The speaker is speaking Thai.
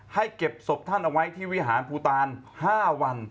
เก็บศพท่านเอาไว้ที่วิหารภูตาล๕วัน